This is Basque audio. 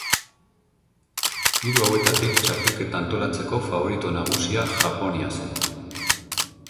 Hiru hauetatik txapelketa antolatzeko faborito nagusia Japonia zen.